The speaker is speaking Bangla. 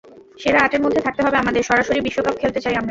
সেরা আটের মধ্যে থাকতে হবে আমাদের, সরাসরি বিশ্বকাপ খেলতে চাই আমরা।